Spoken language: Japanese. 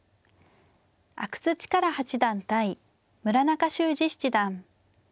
阿久津主税八段対村中秀史七段。